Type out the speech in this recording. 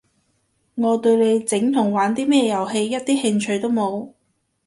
我對你整同玩啲咩遊戲一啲興趣都冇